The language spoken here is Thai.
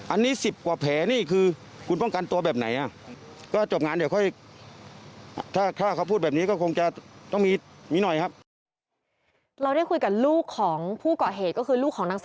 อันนี้๑๐กว่าแผลนี่คือคุณป้องกันตัวแบบไหนอ่ะ